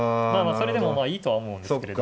それでもまあいいとは思うんですけれど。